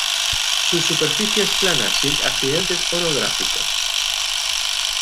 Su superficie es plana sin accidentes orográficos.